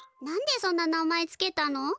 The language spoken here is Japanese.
何でそんな名前つけたの？